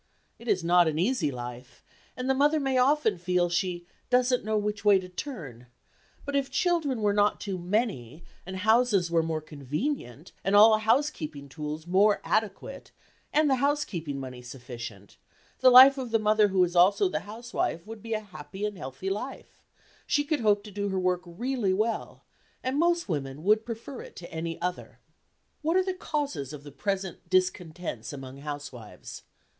It is not an easy life, and the mother may often feel she "doesn't know which way to turn"; but if children were not too many and houses were more convenient, and all housekeeping tools more adequate, and the housekeeping money sufficient, the life of the mother who is also the housewife would be a happy and healthy life; she could hope to do her work really well, and most women would prefer it to any other. What are the causes of the present discontents among housewives?